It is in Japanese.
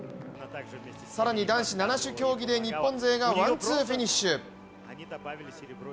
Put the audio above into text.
更に男子七種競技で日本勢がワンツーフィニッシュ。